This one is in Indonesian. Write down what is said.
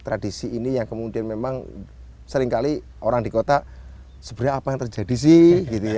tradisi ini yang kemudian memang seringkali orang di kota sebenarnya apa yang terjadi sih gitu ya